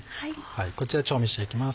こちら調味して行きます。